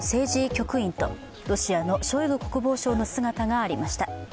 局員とロシアのショイグ国防相の姿がありました。